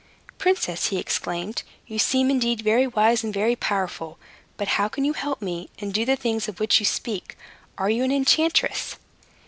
"Princess," he exclaimed, "you seem indeed very wise and very powerful. But how can you help me to do the things of which you speak? Are you an enchantress?"